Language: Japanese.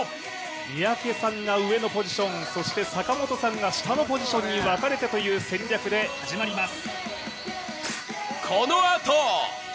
三宅さんが上のポジション、そして坂本さんが下のポジションに分かれて始まります。